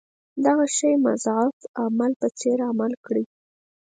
دغه شي مضاعف عامل په څېر عمل کړی.